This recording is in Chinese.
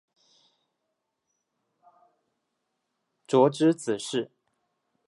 傕之子式。